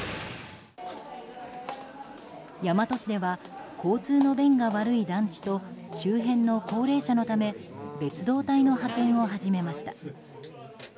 大和市では交通の便が悪い団地と周辺の高齢者のため別動隊の派遣を始めました。